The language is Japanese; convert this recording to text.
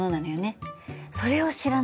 それを知らないとね